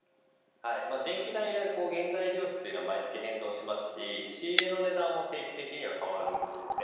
電気代や原材料費は毎月変動しますし仕入れの値段も定期的に変わるんですよね。